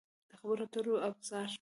د خبرو اترو ابزار